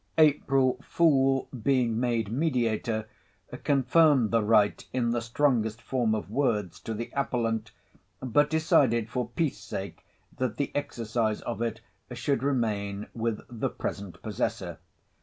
April fool, being made mediator, confirmed the right in the strongest form of words to the appellant, but decided for peace' sake that the exercise of it should remain with the present possessor.